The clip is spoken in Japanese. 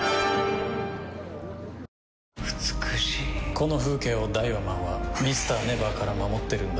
この風景をダイワマンはＭｒ．ＮＥＶＥＲから守ってるんだ。